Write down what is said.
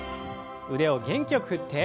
腕を元気よく振って。